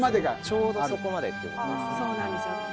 ちょうどそこまでっていうことですね。